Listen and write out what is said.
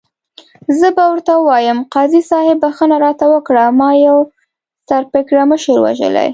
زه به ورته ووایم، قاضي صاحب بخښنه راته وکړه، ما یو سر پړکمشر وژلی.